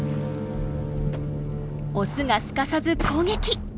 オスがすかさず攻撃！